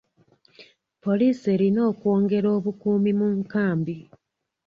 Poliisi erina okwongera obukuumi mu nkambi.